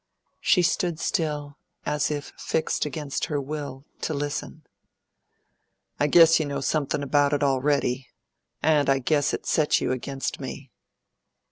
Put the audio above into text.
She stood still, as if fixed against her will, to listen. "I guess you know something about it already, and I guess it set you against me."